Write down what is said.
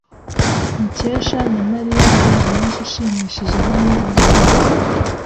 Mukesha na Mariya bagize umunsi ushimishije hamwe muri pariki.